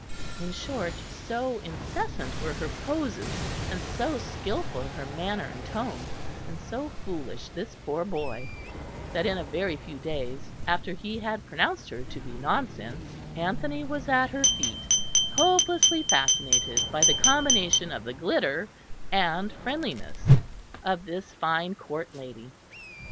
In short, so incessant were her poses and so skilful her manner and tone, and so foolish this poor boy, that in a very few days, after he had pronounced her to be nonsense, Anthony was at her feet, hopelessly fascinated by the combination of the glitter and friendliness of this fine Court lady.